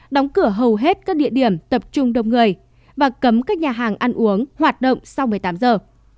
đóng cửa hầu hết các địa điểm tập trung đông người và cấm các nhà hàng ăn uống hoạt động sau một mươi tám giờ